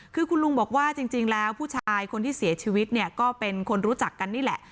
คือคุณลุงบอกว่าจริงแล้วผู้ชายคนที่เสียชีวิตเนี่ยก็เป็นคนรู้จักกันนี่แหละ